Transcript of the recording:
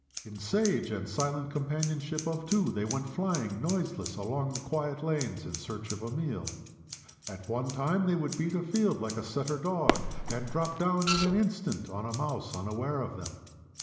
In sage and silent companionship of two, they went flying, noiseless, along the quiet lanes in search of a meal. At one time they would beat a field like a setter dog, and drop down in an instant on a mouse unaware of them.